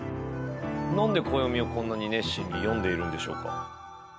何で、暦を、こんなに熱心に読んでいるんでしょうか？